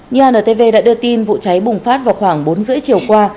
nhà ntv đã đưa tin vụ cháy bùng phát vào khoảng bốn h ba mươi chiều qua